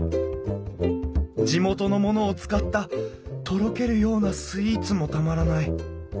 地元のものを使ったとろけるようなスイーツもたまらない。